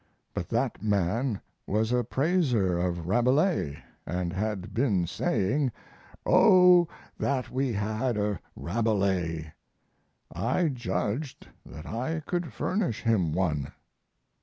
But that man was a praiser of Rabelais, and had been saying, 'O that we had a Rabelais!' I judged that I could furnish him one."